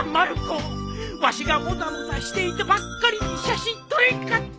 わしがもたもたしていたばっかりに写真撮れんかった！